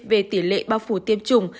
về tỷ lệ bao phủ tiêm chủng